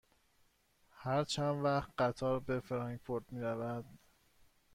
هر چند وقت قطار به فرانکفورت می رود؟